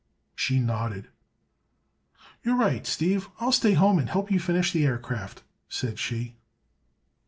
She nodded. "You're right, Steve. I'll stay at home and help you finish the aircraft," said she.